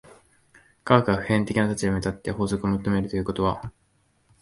科学が普遍的な立場に立って法則を求めるということは、